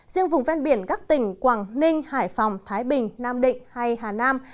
riêng vùng ven biển các tỉnh quảng ninh hải phòng thái bình nam định hay hà nam